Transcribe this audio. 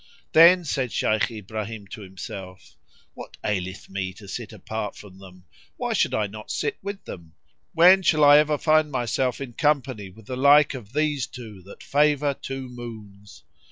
Then said Shaykh Ibrahim to himself, "What aileth me to sit apart from them? Why should I not sit with them? When shall I ever find myself in company with the like of these two that favour two moons?"